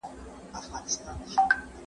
زدکړه د ښوونکي له خوا ښوول کيږي!